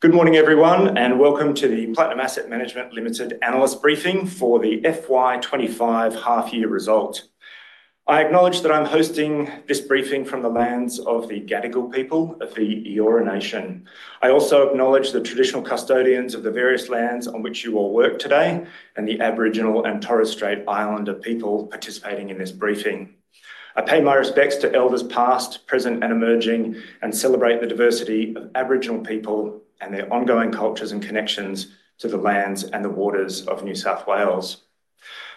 Good morning, everyone, and welcome to the Platinum Asset Management Limited Analyst Briefing for the FY25 Half-Year Result. I acknowledge that I'm hosting this briefing from the lands of the Gadigal people of the Eora Nation. I also acknowledge the traditional custodians of the various lands on which you all work today, and the Aboriginal and Torres Strait Islander people participating in this briefing. I pay my respects to elders past, present, and emerging, and celebrate the diversity of Aboriginal people and their ongoing cultures and connections to the lands and the waters of New South Wales.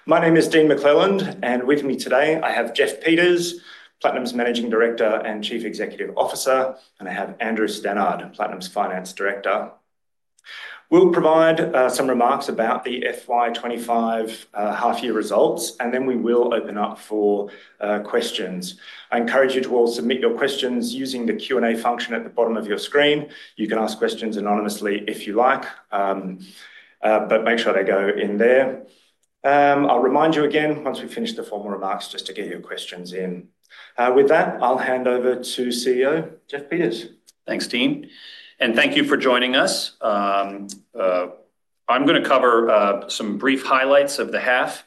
My name is Dean McLelland, and with me today I have Jeff Peters, Platinum's Managing Director and Chief Executive Officer, and I have Andrew Stannard, Platinum's Finance Director. We'll provide some remarks about the FY25 half-year results, and then we will open up for questions. I encourage you to all submit your questions using the Q&A function at the bottom of your screen. You can ask questions anonymously if you like, but make sure they go in there. I'll remind you again once we finish the formal remarks just to get your questions in. With that, I'll hand over to CEO Jeff Peters. Thanks, Dean, and thank you for joining us. I'm going to cover some brief highlights of the half,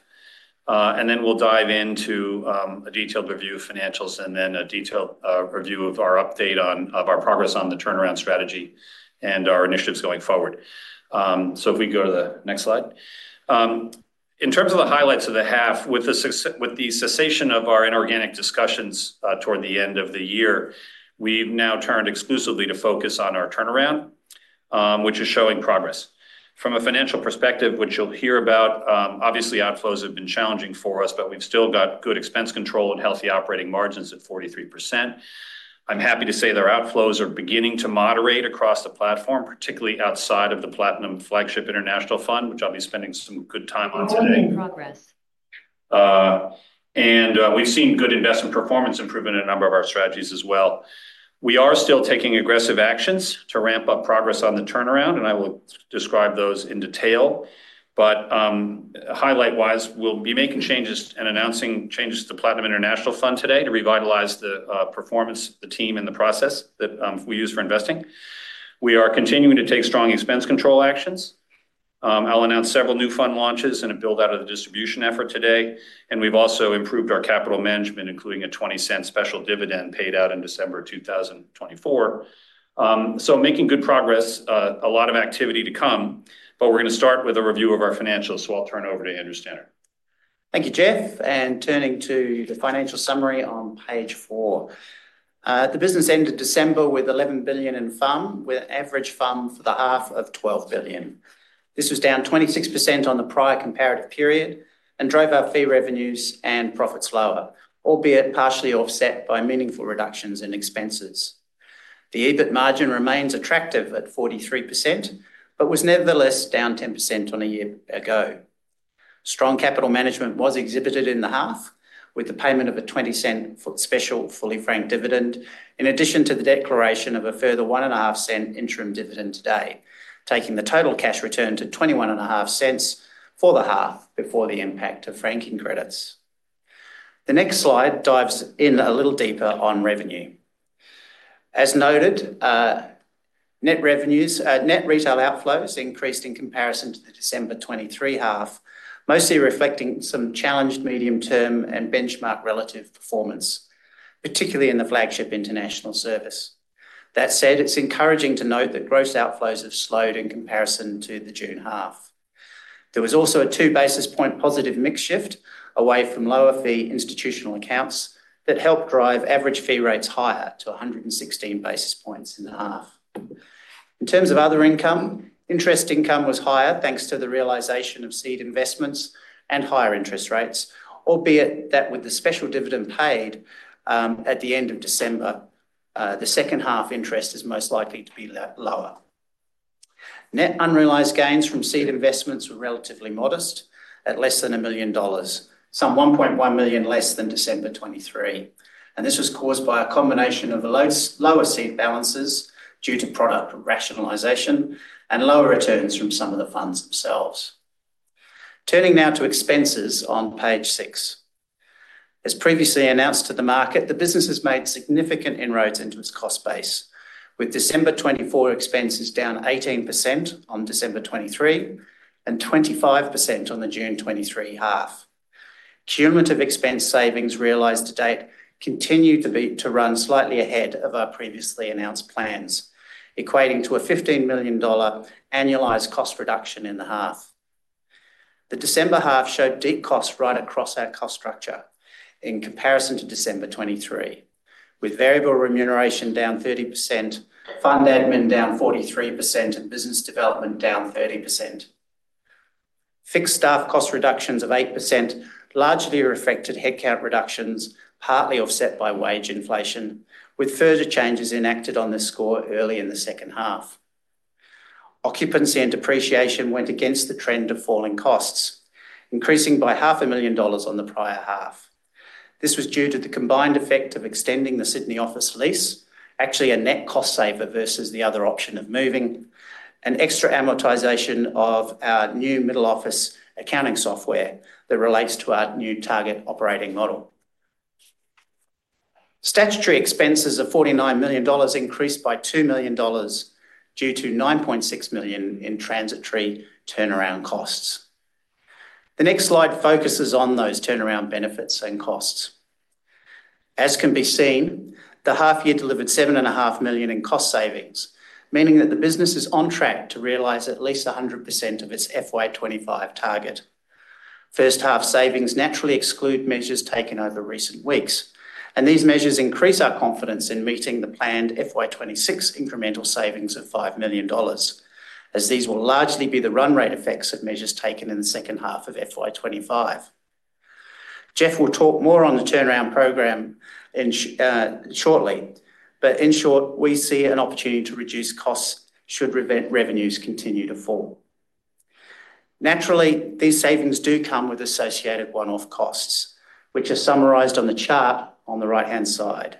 and then we'll dive into a detailed review of financials and then a detailed review of our update on our progress on the turnaround strategy and our initiatives going forward. If we go to the next slide. In terms of the highlights of the half, with the cessation of our inorganic discussions toward the end of the year, we've now turned exclusively to focus on our turnaround, which is showing progress. From a financial perspective, which you'll hear about, obviously outflows have been challenging for us, but we've still got good expense control and healthy operating margins at 43%. I'm happy to say their outflows are beginning to moderate across the platform, particularly outside of the Platinum Flagship International Fund, which I'll be spending some good time on today. We have seen good investment performance improvement in a number of our strategies as well. We are still taking aggressive actions to ramp up progress on the turnaround, and I will describe those in detail. Highlight-wise, we will be making changes and announcing changes to the Platinum International Fund today to revitalize the performance of the team and the process that we use for investing. We are continuing to take strong expense control actions. I will announce several new fund launches and a build-out of the distribution effort today. We have also improved our capital management, including an 0.20 special dividend paid out in December 2024. We are making good progress, a lot of activity to come, and we are going to start with a review of our financials, so I will turn over to Andrew Stannard. Thank you, Jeff, and turning to the financial summary on page four. The business ended December with 11 billion in fund, with an average fund for the half of 12 billion. This was down 26% on the prior comparative period and drove our fee revenues and profits lower, albeit partially offset by meaningful reductions in expenses. The EBIT margin remains attractive at 43%, but was nevertheless down 10% on a year ago. Strong capital management was exhibited in the half with the payment of a 0.20 special fully-franked dividend, in addition to the declaration of a further 0.25 interim dividend today, taking the total cash return to 0.21 for the half before the impact of franking credits. The next slide dives in a little deeper on revenue. As noted, net retail outflows increased in comparison to the December 2023 half, mostly reflecting some challenged medium-term and benchmark relative performance, particularly in the flagship international service. That said, it's encouraging to note that gross outflows have slowed in comparison to the June half. There was also a two basis point positive mix shift away from lower fee institutional accounts that helped drive average fee rates higher to 116 basis points in the half. In terms of other income, interest income was higher thanks to the realization of seed investments and higher interest rates, albeit that with the special dividend paid at the end of December, the second half interest is most likely to be lower. Net unrealized gains from seed investments were relatively modest at less than 1 million dollars, some 1.1 million less than December 2023. This was caused by a combination of lower seed balances due to product rationalization and lower returns from some of the funds themselves. Turning now to expenses on page six. As previously announced to the market, the business has made significant inroads into its cost base, with December 2024 expenses down 18% on December 2023 and 25% on the June 2023 half. Cumulative expense savings realized to date continue to run slightly ahead of our previously announced plans, equating to an 15 million dollar annualized cost reduction in the half. The December half showed deep costs right across our cost structure in comparison to December 2023, with variable remuneration down 30%, fund admin down 43%, and business development down 30%. Fixed staff cost reductions of 8% largely reflected headcount reductions, partly offset by wage inflation, with further changes enacted on the score early in the second half. Occupancy and depreciation went against the trend of falling costs, increasing by $500,000 on the prior half. This was due to the combined effect of extending the Sydney office lease, actually a net cost saver versus the other option of moving, and extra amortization of our new middle office accounting software that relates to our new target operating model. Statutory expenses of 49 million dollars increased by 2 million dollars due to 9.6 million in transitory turnaround costs. The next slide focuses on those turnaround benefits and costs. As can be seen, the half year delivered 7.5 million in cost savings, meaning that the business is on track to realize at least 100% of its FY2025 target. First half savings naturally exclude measures taken over recent weeks, and these measures increase our confidence in meeting the planned FY2026 incremental savings of 5 million dollars, as these will largely be the run rate effects of measures taken in the second half of FY2025. Jeff will talk more on the turnaround program shortly, but in short, we see an opportunity to reduce costs should revenues continue to fall. Naturally, these savings do come with associated one-off costs, which are summarized on the chart on the right-hand side.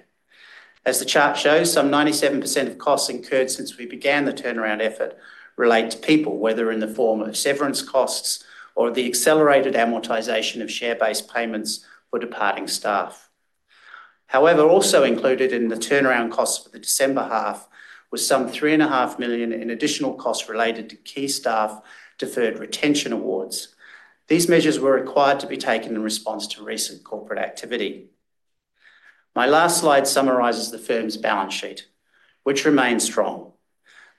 As the chart shows, some 97% of costs incurred since we began the turnaround effort relate to people, whether in the form of severance costs or the accelerated amortization of share-based payments for departing staff. However, also included in the turnaround costs for the December half was some 3.5 million in additional costs related to key staff deferred retention awards. These measures were required to be taken in response to recent corporate activity. My last slide summarizes the firm's balance sheet, which remains strong.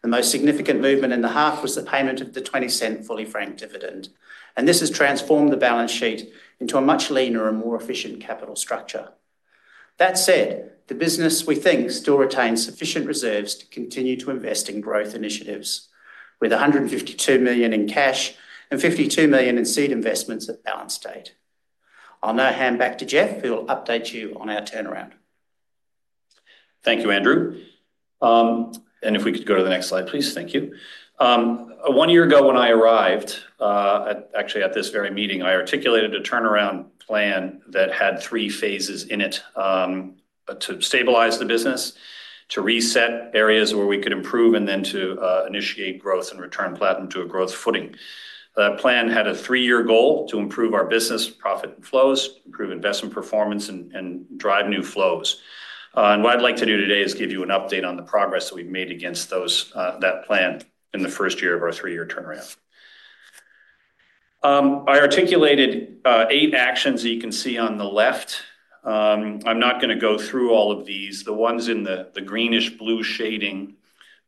The most significant movement in the half was the payment of the 0.20 fully-franked dividend, and this has transformed the balance sheet into a much leaner and more efficient capital structure. That said, the business, we think, still retains sufficient reserves to continue to invest in growth initiatives, with 152 million in cash and 52 million in seed investments at balance date. I'll now hand back to Jeff, who will update you on our turnaround. Thank you, Andrew. If we could go to the next slide, please. Thank you. One year ago when I arrived, actually at this very meeting, I articulated a turnaround plan that had three phases in it to stabilize the business, to reset areas where we could improve, and to initiate growth and return Platinum to a growth footing. That plan had a three-year goal to improve our business profit and flows, improve investment performance, and drive new flows. What I'd like to do today is give you an update on the progress that we've made against that plan in the first year of our three-year turnaround. I articulated eight actions that you can see on the left. I'm not going to go through all of these. The ones in the greenish-blue shading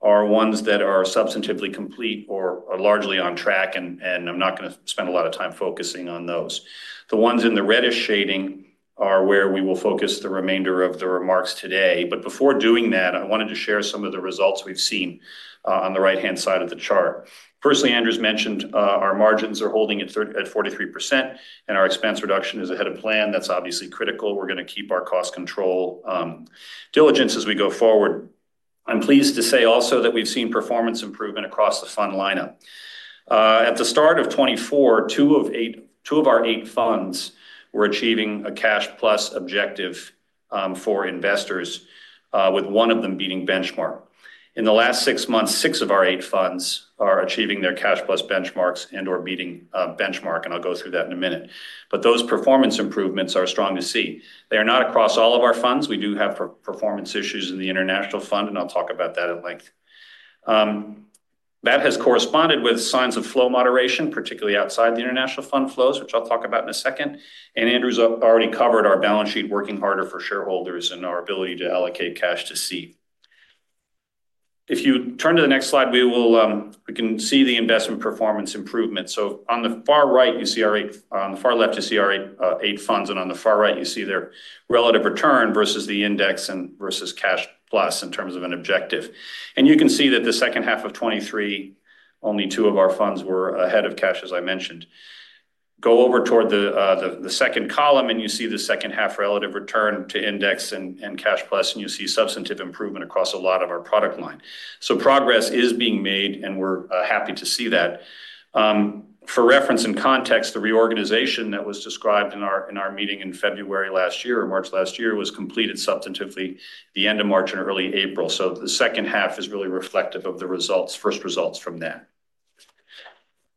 are ones that are substantively complete or are largely on track, and I'm not going to spend a lot of time focusing on those. The ones in the reddish shading are where we will focus the remainder of the remarks today. Before doing that, I wanted to share some of the results we've seen on the right-hand side of the chart. Firstly, Andrew's mentioned our margins are holding at 43%, and our expense reduction is ahead of plan. That's obviously critical. We're going to keep our cost control diligence as we go forward. I'm pleased to say also that we've seen performance improvement across the fund lineup. At the start of 2024, two of our eight funds were achieving a cash-plus objective for investors, with one of them beating benchmark. In the last six months, six of our eight funds are achieving their cash-plus benchmarks and/or beating benchmark, and I'll go through that in a minute. Those performance improvements are strong to see. They are not across all of our funds. We do have performance issues in the international fund, and I'll talk about that at length. That has corresponded with signs of flow moderation, particularly outside the international fund flows, which I'll talk about in a second. Andrew's already covered our balance sheet working harder for shareholders and our ability to allocate cash to seed. If you turn to the next slide, we can see the investment performance improvement. On the far right, you see our eight, on the far left, you see our eight funds, and on the far right, you see their relative return versus the index and versus cash-plus in terms of an objective. You can see that the second half of 2023, only two of our funds were ahead of cash, as I mentioned. Go over toward the second column, and you see the second half relative return to index and cash-plus, and you see substantive improvement across a lot of our product line. Progress is being made, and we're happy to see that. For reference and context, the reorganization that was described in our meeting in February last year or March last year was completed substantively the end of March and early April. The second half is really reflective of the first results from that.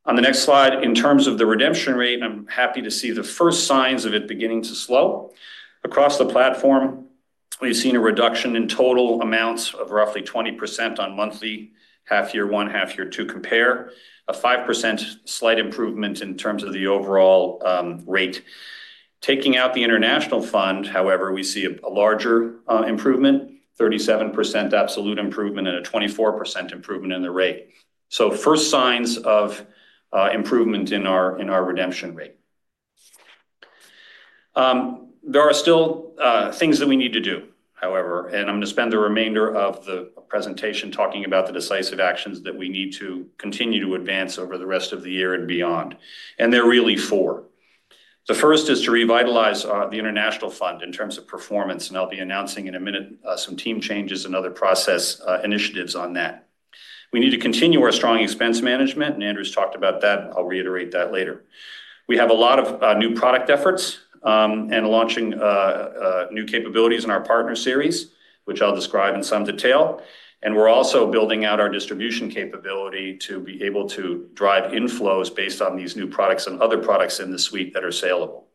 On the next slide, in terms of the redemption rate, I'm happy to see the first signs of it beginning to slow. Across the platform, we've seen a reduction in total amounts of roughly 20% on monthly half year, one half year to compare, a 5% slight improvement in terms of the overall rate. Taking out the international fund, however, we see a larger improvement, 37% absolute improvement, and a 24% improvement in the rate. First signs of improvement in our redemption rate. There are still things that we need to do, however, and I'm going to spend the remainder of the presentation talking about the decisive actions that we need to continue to advance over the rest of the year and beyond. There are really four. The first is to revitalize the international fund in terms of performance, and I'll be announcing in a minute some team changes and other process initiatives on that. We need to continue our strong expense management, and Andrew's talked about that. I'll reiterate that later. We have a lot of new product efforts and launching new capabilities in our Partner Series, which I'll describe in some detail. We are also building out our distribution capability to be able to drive inflows based on these new products and other products in the suite that are saleable.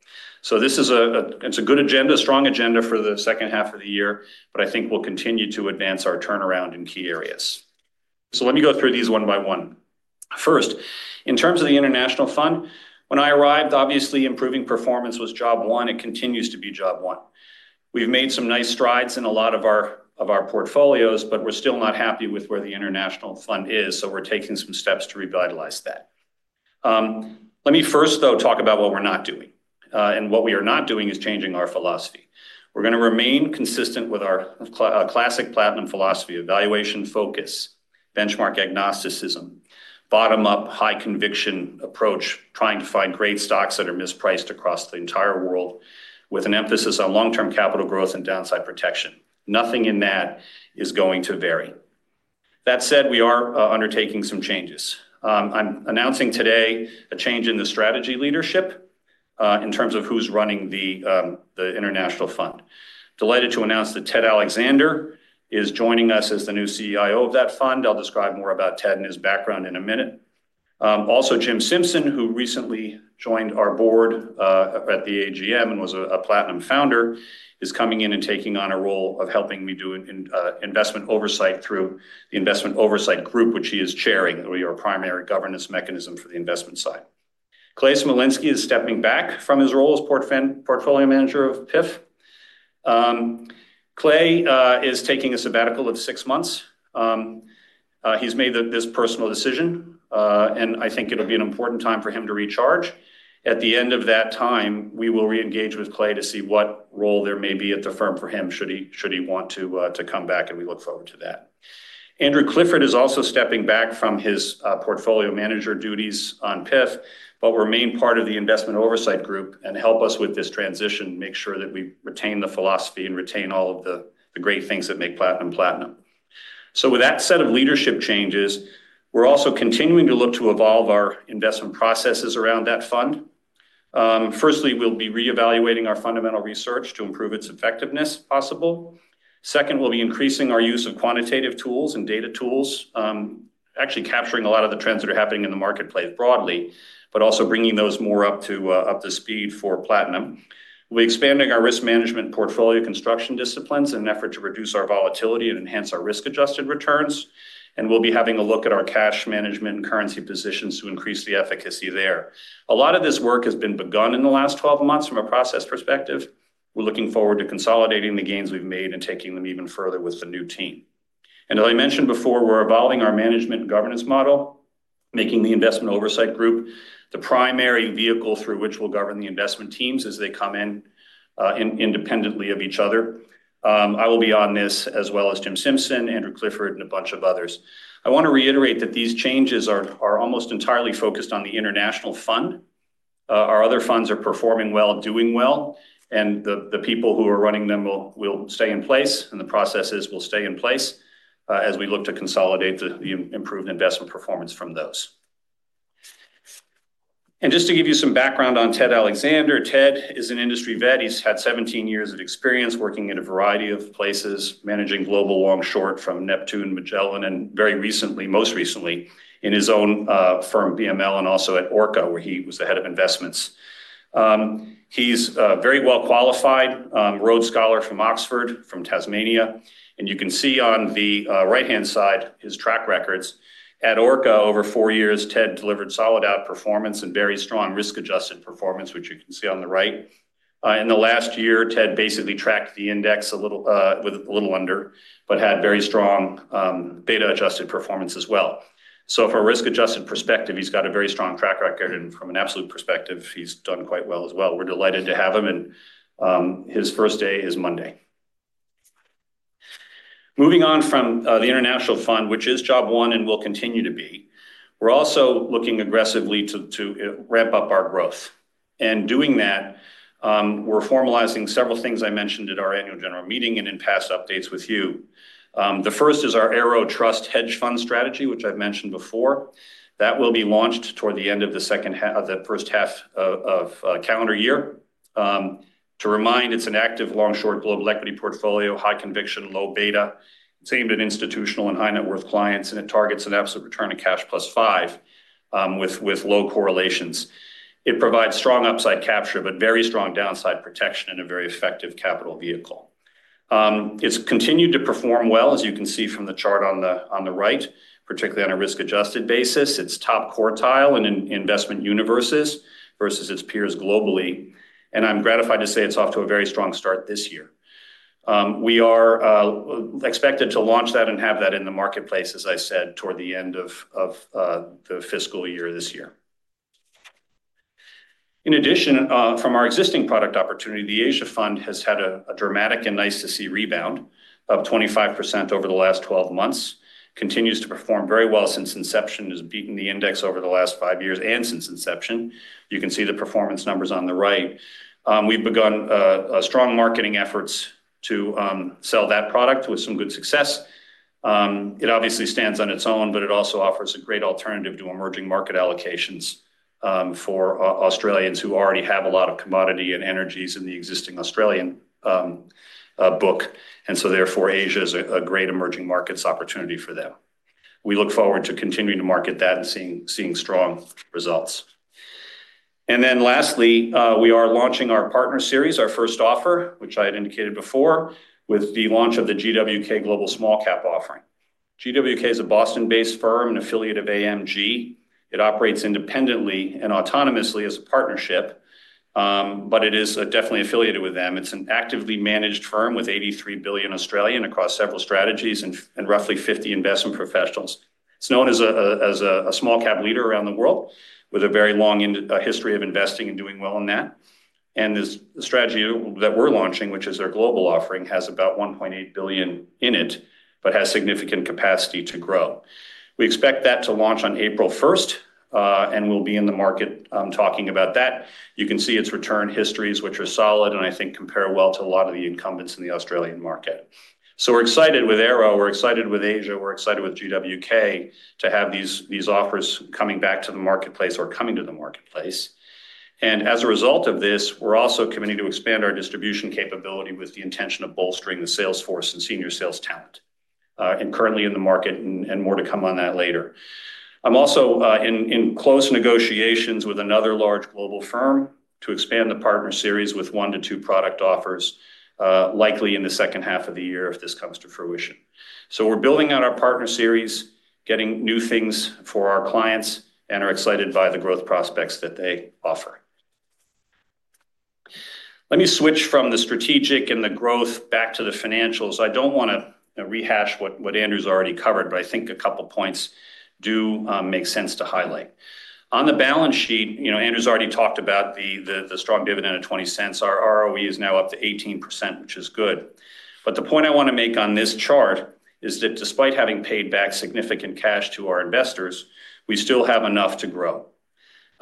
It is a good agenda, strong agenda for the second half of the year, but I think we'll continue to advance our turnaround in key areas. Let me go through these one by one. First, in terms of the international fund, when I arrived, obviously improving performance was job one. It continues to be job one. We've made some nice strides in a lot of our portfolios, but we're still not happy with where the international fund is, so we're taking some steps to revitalize that. Let me first, though, talk about what we're not doing. What we are not doing is changing our philosophy. We're going to remain consistent with our classic Platinum philosophy, evaluation focus, benchmark agnosticism, bottom-up high conviction approach, trying to find great stocks that are mispriced across the entire world with an emphasis on long-term capital growth and downside protection. Nothing in that is going to vary. That said, we are undertaking some changes. I'm announcing today a change in the strategy leadership in terms of who's running the international fund. Delighted to announce that Ted Alexander is joining us as the new CEO of that fund. I'll describe more about Ted and his background in a minute. Also, Jim Simpson, who recently joined our board at the AGM and was a Platinum founder, is coming in and taking on a role of helping me do investment oversight through the investment oversight group, which he is chairing, your primary governance mechanism for the investment side. Clay Smolinski is stepping back from his role as portfolio manager of PIF. Clay is taking a sabbatical of six months. He's made this personal decision, and I think it'll be an important time for him to recharge. At the end of that time, we will reengage with Clay to see what role there may be at the firm for him should he want to come back, and we look forward to that. Andrew Clifford is also stepping back from his portfolio manager duties on PIF, but will remain part of the investment oversight group and help us with this transition, make sure that we retain the philosophy and retain all of the great things that make Platinum Platinum. With that set of leadership changes, we're also continuing to look to evolve our investment processes around that fund. Firstly, we'll be reevaluating our fundamental research to improve its effectiveness if possible. Second, we'll be increasing our use of quantitative tools and data tools, actually capturing a lot of the trends that are happening in the marketplace broadly, but also bringing those more up to speed for Platinum. We're expanding our risk management portfolio construction disciplines in an effort to reduce our volatility and enhance our risk-adjusted returns, and we'll be having a look at our cash management and currency positions to increase the efficacy there. A lot of this work has been begun in the last 12 months from a process perspective. We're looking forward to consolidating the gains we've made and taking them even further with the new team. As I mentioned before, we're evolving our management and governance model, making the investment oversight group the primary vehicle through which we'll govern the investment teams as they come in independently of each other. I will be on this as well as Jim Simpson, Andrew Clifford, and a bunch of others. I want to reiterate that these changes are almost entirely focused on the international fund. Our other funds are performing well, doing well, and the people who are running them will stay in place, and the processes will stay in place as we look to consolidate the improved investment performance from those. Just to give you some background on Ted Alexander, Ted is an industry vet. He's had 17 years of experience working in a variety of places, managing global long-short from Neptune, Magellan, and very recently, most recently, in his own firm, BML, and also at Orca, where he was the head of investments. He's very well qualified, Rhodes Scholar from Oxford, from Tasmania. You can see on the right-hand side his track records. At Orca, over four years, Ted delivered solid outperformance and very strong risk-adjusted performance, which you can see on the right. In the last year, Ted basically tracked the index with a little under, but had very strong beta-adjusted performance as well. From a risk-adjusted perspective, he's got a very strong track record, and from an absolute perspective, he's done quite well as well. We're delighted to have him, and his first day is Monday. Moving on from the international fund, which is job one and will continue to be, we're also looking aggressively to ramp up our growth. Doing that, we're formalizing several things I mentioned at our annual general meeting and in past updates with you. The first is our Arrow Trust Hedge Fund strategy, which I've mentioned before. That will be launched toward the end of the first half of calendar year. To remind, it's an active long-short global equity portfolio, high conviction, low beta. It's aimed at institutional and high-net-worth clients, and it targets an absolute return of cash-plus 5% with low correlations. It provides strong upside capture, but very strong downside protection and a very effective capital vehicle. It has continued to perform well, as you can see from the chart on the right, particularly on a risk-adjusted basis. It is top quartile in investment universes versus its peers globally. I'm gratified to say it is off to a very strong start this year. We are expected to launch that and have that in the marketplace, as I said, toward the end of the fiscal year this year. In addition, from our existing product opportunity, the Asia Fund has had a dramatic and nice-to-see rebound of 25% over the last 12 months, continues to perform very well since inception, has beaten the index over the last five years and since inception. You can see the performance numbers on the right. We have begun strong marketing efforts to sell that product with some good success. It obviously stands on its own, but it also offers a great alternative to emerging market allocations for Australians who already have a lot of commodity and energies in the existing Australian book. Therefore, Asia is a great emerging markets opportunity for them. We look forward to continuing to market that and seeing strong results. Lastly, we are launching our Partner Series, our first offer, which I had indicated before with the launch of the GW&K Global Small Cap offering. GW&K is a Boston-based firm and affiliate of AMG. It operates independently and autonomously as a partnership, but it is definitely affiliated with them. It is an actively managed firm with 83 billion across several strategies and roughly 50 investment professionals. It's known as a small-cap leader around the world with a very long history of investing and doing well in that. The strategy that we're launching, which is their global offering, has about 1.8 billion in it, but has significant capacity to grow. We expect that to launch on April 1st and will be in the market talking about that. You can see its return histories, which are solid and I think compare well to a lot of the incumbents in the Australian market. We are excited with Arrow, we are excited with Asia, we are excited with GW&K to have these offers coming back to the marketplace or coming to the marketplace. As a result of this, we are also committed to expand our distribution capability with the intention of bolstering the sales force and senior sales talent. Currently in the market and more to come on that later. I'm also in close negotiations with another large global firm to expand the Partner Series with one to two product offers likely in the second half of the year if this comes to fruition. We are building out our Partner Series, getting new things for our clients, and are excited by the growth prospects that they offer. Let me switch from the strategic and the growth back to the financials. I do not want to rehash what Andrew's already covered, but I think a couple of points do make sense to highlight. On the balance sheet, Andrew's already talked about the strong dividend at 0.20. Our ROE is now up to 18%, which is good. The point I want to make on this chart is that despite having paid back significant cash to our investors, we still have enough to grow.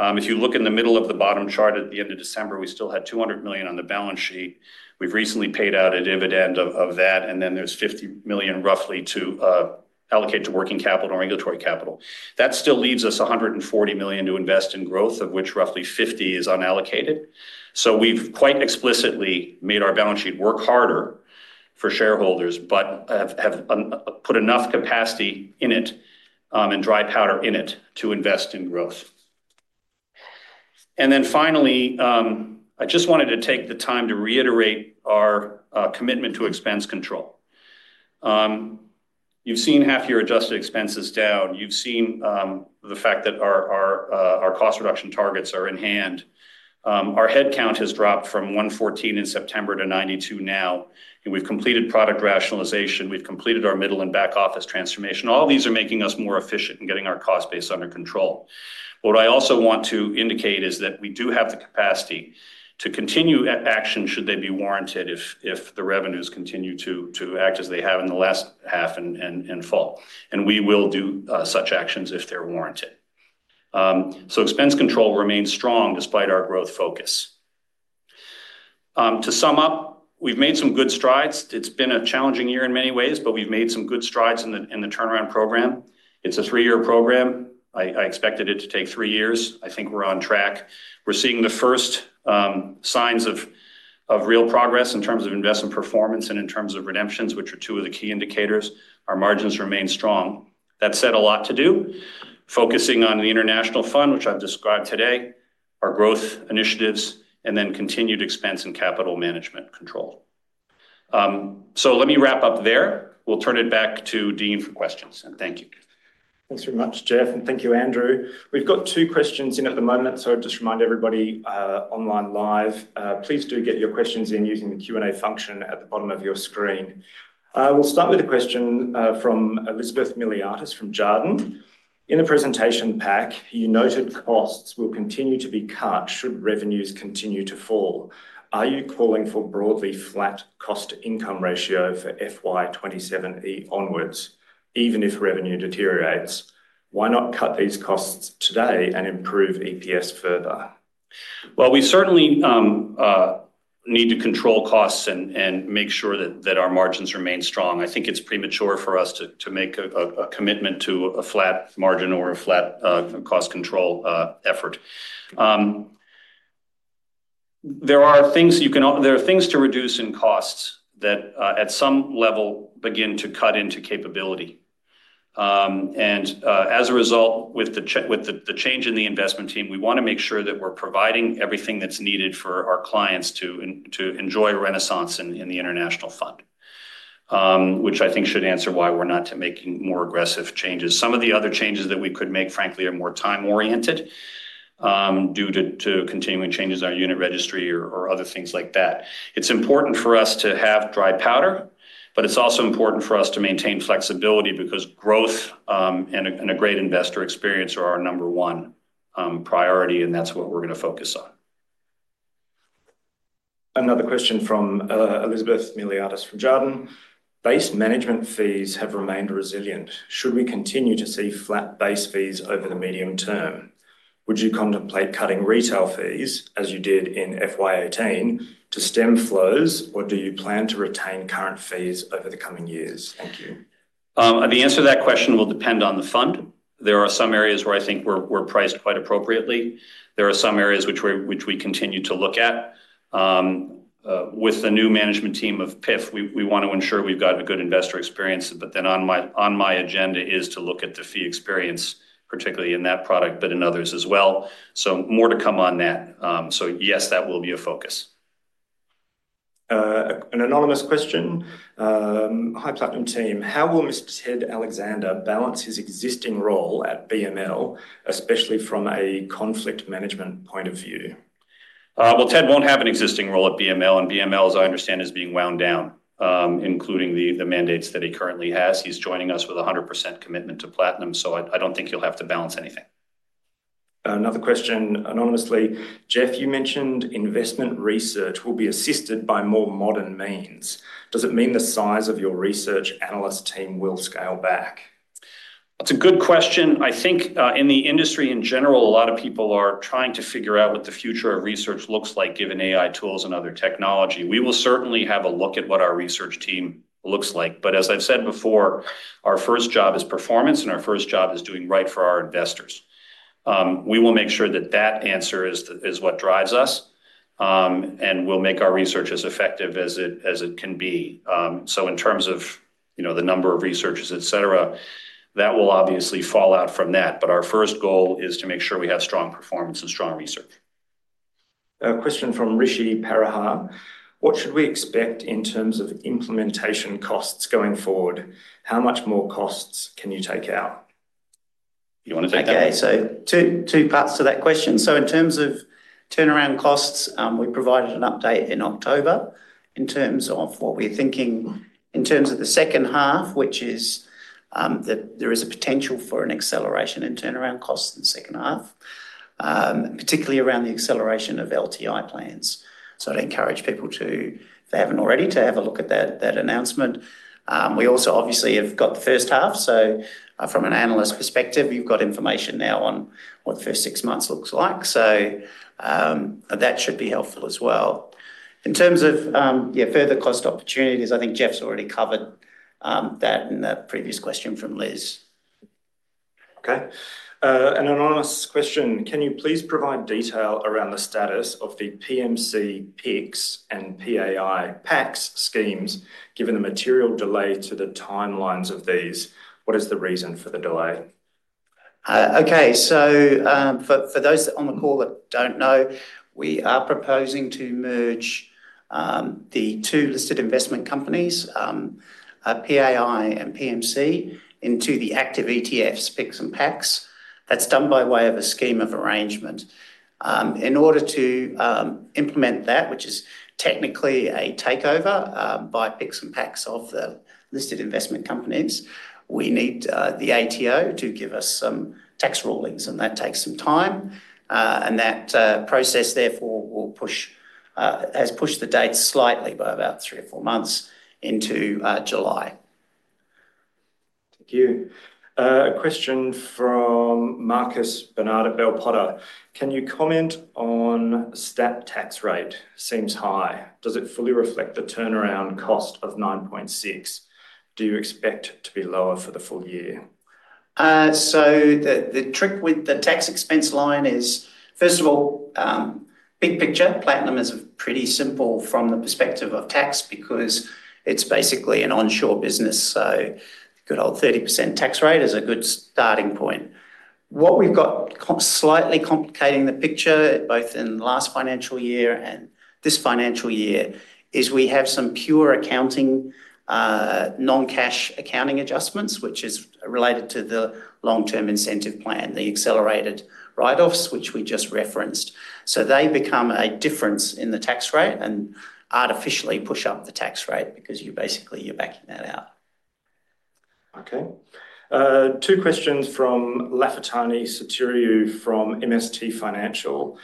If you look in the middle of the bottom chart at the end of December, we still had 200 million on the balance sheet. We've recently paid out a dividend of that, and then there's 50 million roughly to allocate to working capital and regulatory capital. That still leaves us 140 million to invest in growth, of which roughly 50 million is unallocated. We've quite explicitly made our balance sheet work harder for shareholders, but have put enough capacity in it and dry powder in it to invest in growth. Finally, I just wanted to take the time to reiterate our commitment to expense control. You've seen half your adjusted expenses down. You've seen the fact that our cost reduction targets are in hand. Our headcount has dropped from 114 in September to 92 now. We've completed product rationalization. We've completed our middle and back office transformation. All these are making us more efficient in getting our cost base under control. What I also want to indicate is that we do have the capacity to continue action should they be warranted if the revenues continue to act as they have in the last half and fall. We will do such actions if they're warranted. Expense control remains strong despite our growth focus. To sum up, we've made some good strides. It's been a challenging year in many ways, but we've made some good strides in the turnaround program. It's a three-year program. I expected it to take three years. I think we're on track. We're seeing the first signs of real progress in terms of investment performance and in terms of redemptions, which are two of the key indicators. Our margins remain strong. That's said a lot to do. Focusing on the international fund, which I've described today, our growth initiatives, and then continued expense and capital management control. Let me wrap up there. We'll turn it back to Dean for questions. Thank you. Thanks very much, Jeff. Thank you, Andrew. We have two questions in at the moment, so I will just remind everybody online live. Please do get your questions in using the Q&A function at the bottom of your screen. We will start with a question from Elizabeth Miliatis from Jarden. In the presentation pack, you noted costs will continue to be cut should revenues continue to fall. Are you calling for broadly flat cost-to-income ratio for FY2027E onwards, even if revenue deteriorates? Why not cut these costs today and improve EPS further? We certainly need to control costs and make sure that our margins remain strong. I think it's premature for us to make a commitment to a flat margin or a flat cost control effort. There are things you can—there are things to reduce in costs that at some level begin to cut into capability. As a result, with the change in the investment team, we want to make sure that we're providing everything that's needed for our clients to enjoy a renaissance in the international fund, which I think should answer why we're not making more aggressive changes. Some of the other changes that we could make, frankly, are more time-oriented due to continuing changes in our unit registry or other things like that. It's important for us to have dry powder, but it's also important for us to maintain flexibility because growth and a great investor experience are our number one priority, and that's what we're going to focus on. Another question from Elizabeth Miliatis from Jarden. Base management fees have remained resilient. Should we continue to see flat base fees over the medium term? Would you contemplate cutting retail fees, as you did in FY 2018, to stem flows, or do you plan to retain current fees over the coming years? Thank you. The answer to that question will depend on the fund. There are some areas where I think we're priced quite appropriately. There are some areas which we continue to look at. With the new management team of PIF, we want to ensure we've got a good investor experience, but then on my agenda is to look at the fee experience, particularly in that product, but in others as well. More to come on that. Yes, that will be a focus. An anonymous question. Hi Platinum Team. How will Mr. Ted Alexander balance his existing role at BML, especially from a conflict management point of view? Ted won't have an existing role at BML, and BML, as I understand, is being wound down, including the mandates that he currently has. He's joining us with 100% commitment to Platinum, so I don't think he'll have to balance anything. Another question anonymously. Jeff, you mentioned investment research will be assisted by more modern means. Does it mean the size of your research analyst team will scale back? That's a good question. I think in the industry in general, a lot of people are trying to figure out what the future of research looks like given AI tools and other technology. We will certainly have a look at what our research team looks like. As I've said before, our first job is performance, and our first job is doing right for our investors. We will make sure that that answer is what drives us, and we'll make our research as effective as it can be. In terms of the number of researchers, etc., that will obviously fall out from that. Our first goal is to make sure we have strong performance and strong research. Question from Rishi Parahar. What should we expect in terms of implementation costs going forward? How much more costs can you take out? You want to take that one? Okay. Two parts to that question. In terms of turnaround costs, we provided an update in October in terms of what we're thinking in terms of the second half, which is that there is a potential for an acceleration in turnaround costs in the second half, particularly around the acceleration of LTI plans. I'd encourage people, if they haven't already, to have a look at that announcement. We also obviously have got the first half. From an analyst perspective, you've got information now on what the first six months looks like. That should be helpful as well. In terms of further cost opportunities, I think Jeff's already covered that in the previous question from Liz. Okay. An anonymous question. Can you please provide detail around the status of the PMC, PIX, and PAI PACS schemes given the material delay to the timelines of these? What is the reason for the delay? Okay. For those on the call that don't know, we are proposing to merge the two listed investment companies, PAI and PMC, into the active ETFs, PIX and PACS. That is done by way of a scheme of arrangement. In order to implement that, which is technically a takeover by PIX and PACS of the listed investment companies, we need the ATO to give us some tax rulings, and that takes some time. That process, therefore, has pushed the dates slightly by about three or four months into July. Thank you. A question from Marcus Barnard of Bell Potter. Can you comment on the stamp tax rate? Seems high. Does it fully reflect the turnaround cost of 9.6? Do you expect it to be lower for the full year? The trick with the tax expense line is, first of all, big picture, Platinum is pretty simple from the perspective of tax because it's basically an onshore business. The good old 30% tax rate is a good starting point. What we've got slightly complicating the picture, both in the last financial year and this financial year, is we have some pure accounting, non-cash accounting adjustments, which is related to the long-term incentive plan, the accelerated write-offs, which we just referenced. They become a difference in the tax rate and artificially push up the tax rate because you basically are backing that out. Okay. Two questions from Lafitani Sotiriou from MST Financial.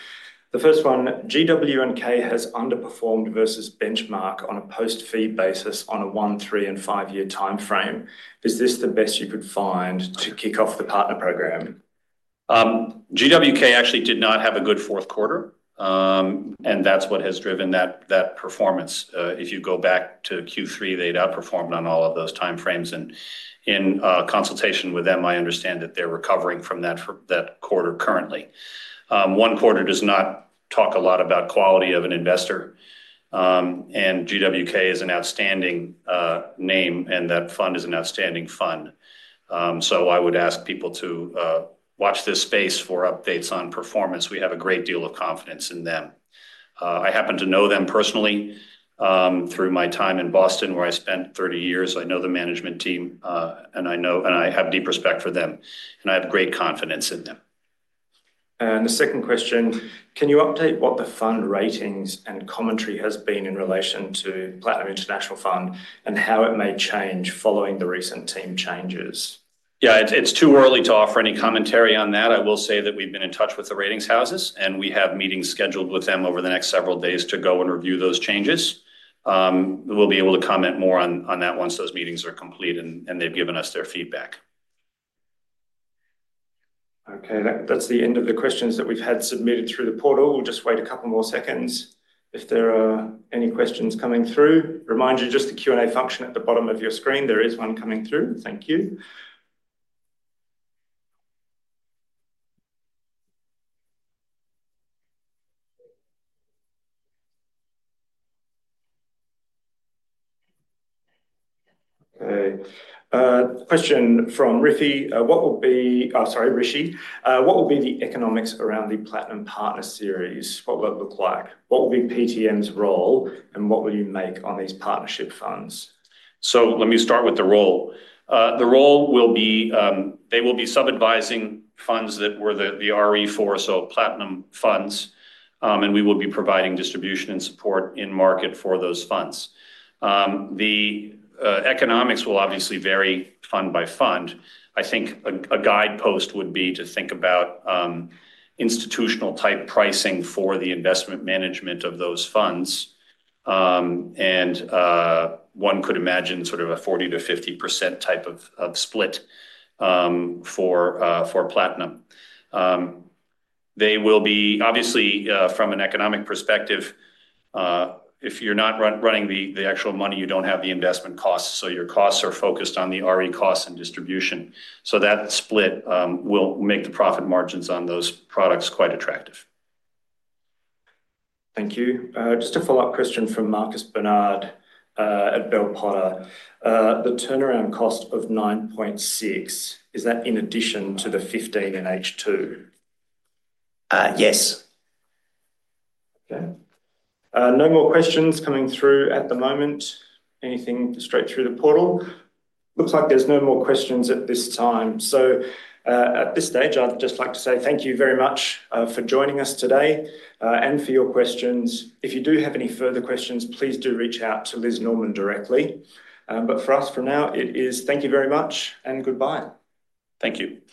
The first one, GW&K has underperformed versus benchmark on a post-fee basis on a one, three, and five-year timeframe. Is this the best you could find to kick off the partner program? GW&K actually did not have a good fourth quarter, and that's what has driven that performance. If you go back to Q3, they'd outperformed on all of those timeframes. In consultation with them, I understand that they're recovering from that quarter currently. One quarter does not talk a lot about quality of an investor, and GW&K is an outstanding name, and that fund is an outstanding fund. I would ask people to watch this space for updates on performance. We have a great deal of confidence in them. I happen to know them personally through my time in Boston, where I spent 30 years. I know the management team, and I have deep respect for them, and I have great confidence in them. The second question, can you update what the fund ratings and commentary has been in relation to Platinum International Fund and how it may change following the recent team changes? Yeah, it's too early to offer any commentary on that. I will say that we've been in touch with the ratings houses, and we have meetings scheduled with them over the next several days to go and review those changes. We'll be able to comment more on that once those meetings are complete and they've given us their feedback. Okay. That's the end of the questions that we've had submitted through the portal. We'll just wait a couple more seconds. If there are any questions coming through, remind you just the Q&A function at the bottom of your screen. There is one coming through. Thank you. Okay. Question from Rishi. What will be the economics around the Platinum Partner Series? What will it look like? What will be PTM's role, and what will you make on these partnership funds? Let me start with the role. The role will be—they will be sub-advising funds that were the RE4, so Platinum Funds, and we will be providing distribution and support in market for those funds. The economics will obviously vary fund by fund. I think a guidepost would be to think about institutional-type pricing for the investment management of those funds. One could imagine sort of a 40-50% type of split for Platinum. They will be, obviously, from an economic perspective, if you're not running the actual money, you don't have the investment costs. Your costs are focused on the RE costs and distribution. That split will make the profit margins on those products quite attractive. Thank you. Just a follow-up question from Marcus Barnard at Bell Potter. The turnaround cost of 9.6 million, is that in addition to the 15 million in H2? Yes. Okay. No more questions coming through at the moment. Anything straight through the portal? Looks like there's no more questions at this time. At this stage, I'd just like to say thank you very much for joining us today and for your questions. If you do have any further questions, please do reach out to Liz Norman directly. For us for now, it is thank you very much and goodbye. Thank you.